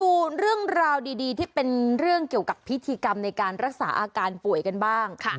ดูเรื่องราวดีที่เป็นเรื่องเกี่ยวกับพิธีกรรมในการรักษาอาการป่วยกันบ้าง